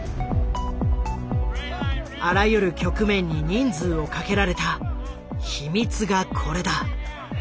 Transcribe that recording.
あらゆる局面に人数をかけられた秘密がこれだ。